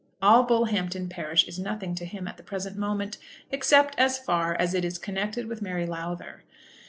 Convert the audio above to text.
All Bullhampton parish is nothing to him at the present moment, except as far as it is connected with Mary Lowther.